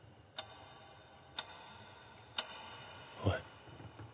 おい。